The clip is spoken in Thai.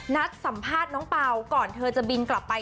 สัมภาษณ์น้องเปล่าก่อนเธอจะบินกลับไป